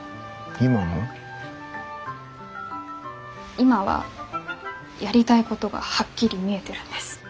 今はやりたいことがはっきり見えてるんです。